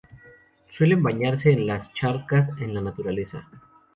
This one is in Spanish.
Suelen bañarse en las charcas en la naturaleza.